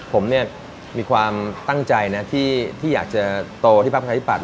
ผมมีความตั้งใจที่อยากจะโตที่พักประชาธิปัตย์